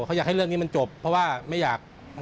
ทางนี้มันจบเพราะว่าไม่อยาก